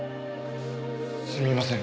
すみません。